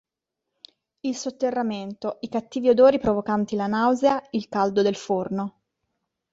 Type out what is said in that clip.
Il sotterramento, i cattivi odori provocanti la nausea, il caldo del forno.